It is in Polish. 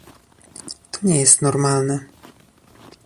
To nie jest normalne